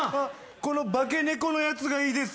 この化け猫のやつがいいです